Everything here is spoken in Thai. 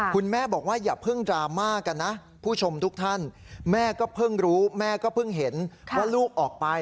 คุณแม่บอกว่าอย่าเพิ่งดราม่ากันนะผู้ชมทุกท่านแม่ก็เพิ่งรู้แม่ก็เพิ่งเห็นว่าลูกออกไป